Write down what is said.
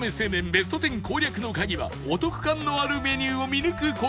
ベスト１０攻略のカギはお得感のあるメニューを見抜く事だが